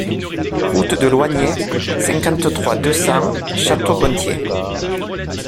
Route de Loigné, cinquante-trois, deux cents Château-Gontier